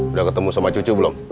udah ketemu sama cucu belum